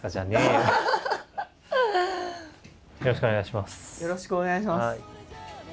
よろしくお願いします。